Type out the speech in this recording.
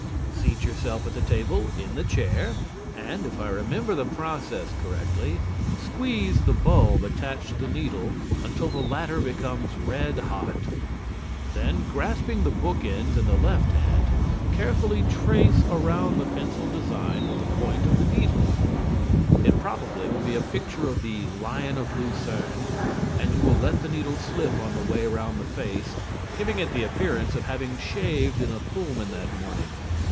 Seat yourself at the table in the chair and (if I remember the process correctly) squeeze the bulb attached to the needle until the latter becomes red hot. Then, grasping the book ends in the left hand, carefully trace around the pencilled design with the point of the needle. It probably will be a picture of the Lion of Lucerne, and you will let the needle slip on the way round the face, giving it the appearance of having shaved in a Pullman that morning.